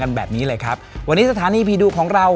แบบนี้เลยครับวันนี้สถานีผีดุของเรา